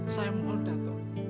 saya mau datang